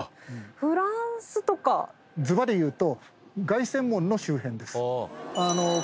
ずばり言うと。